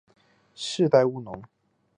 世代务农。